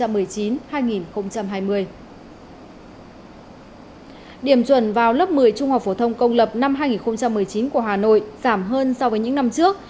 điểm chuẩn vào lớp một mươi trung học phổ thông công lập năm hai nghìn một mươi chín của hà nội giảm hơn so với những năm trước